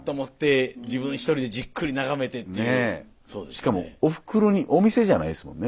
しかもおふくろにお店じゃないですもんね